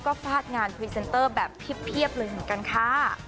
ก็ฟาดงานพรีเซนเตอร์แบบเพียบเลยเหมือนกันค่ะ